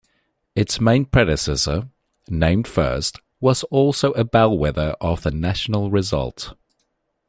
Its main predecessor, named first, was also a bellwether of the national result.